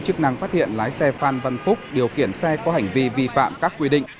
chức năng phát hiện lái xe phan văn phúc điều khiển xe có hành vi vi phạm các quy định